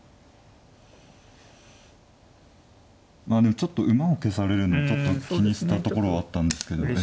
まあでもちょっと馬を消されるのはちょっと気にしたところはあったんですけど。